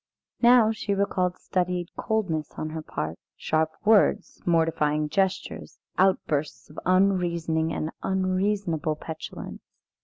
Now she recalled studied coldness on her part, sharp words, mortifying gestures, outbursts of unreasoning and unreasonable petulance.